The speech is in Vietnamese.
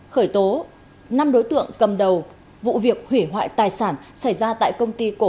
khởi tố năm đối tượng cầm đầu vụ việc hủy hoại tài sản xảy ra tại công ty cổ